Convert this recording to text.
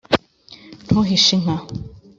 ntuhishe inka,